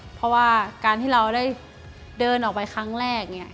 เพราะว่าการที่เราได้เดินออกไปครั้งแรกเนี่ย